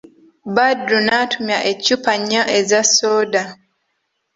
Badru n'atumya eccupa nnya eza sooda.